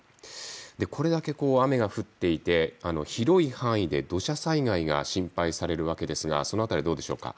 これだけ雨が降っていて広い範囲で土砂災害が心配されるわけですがその辺りはどうでしょうか。